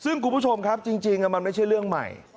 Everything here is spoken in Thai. ซึ่งคุณผู้ชมครับจริงมันไม่ใช่เรื่องใหม่